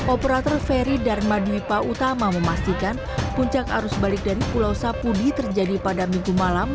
operator feri dharma dwipa utama memastikan puncak arus balik dari pulau sapudi terjadi pada minggu malam